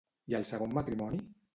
I el segon matrimoni?